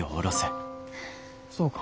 そうか。